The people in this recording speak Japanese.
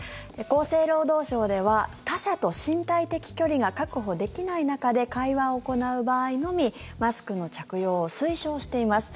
厚生労働省では他者と身体的距離が確保できない中で会話を行う場合のみマスクの着用を推奨しています。